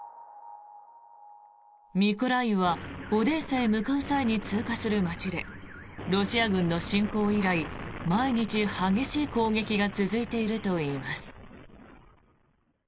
ミコライウはオデーサへ向かう際に通過する街でロシア軍の侵攻以来毎日、激しい攻撃が続いているといいます。